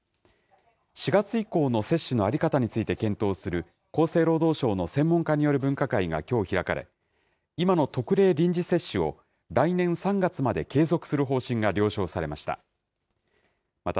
４月以降の接種の在り方について検討する、厚生労働省の専門家による分科会がきょう開かれ、今の特例臨時接種を、来年３月まで継続する方針が了承されました。